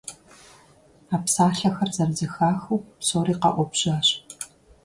А псалъэхэр зэрызэхахыу псори къэуӀэбжьащ.